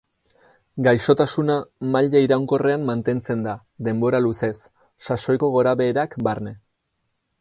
Gaixotasuna maila iraunkorrean mantentzen da denbora luzez, sasoiko gorabeherak barne.